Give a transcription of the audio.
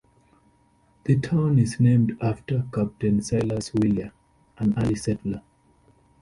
The town is named after Captain Silas Wheeler, an early settler.